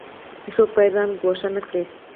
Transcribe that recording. هیڅوک باید ځان ګوښه نکړي